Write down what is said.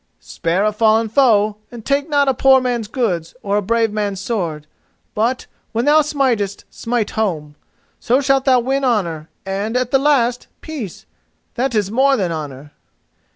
Spare a fallen foe, and take not a poor man's goods or a brave man's sword; but, when thou smitest, smite home. So shalt thou win honour, and, at the last, peace, that is more than honour."